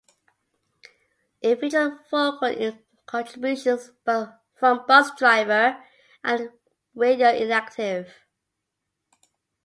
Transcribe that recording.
It featured vocal contributions from Busdriver and Radioinactive.